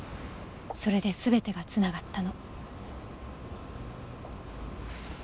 それで全てがつながったの。